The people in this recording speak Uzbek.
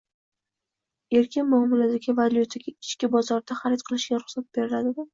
erkin muomaladagi valyutaga ichki bozorda xarid qilishga ruxsat beriladimi?